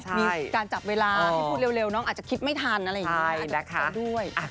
มีการจับเวลาให้พูดเร็วน้องอาจจะคิดไม่ทันอะไรอย่างนี้